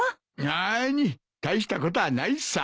なに大したことはないさ。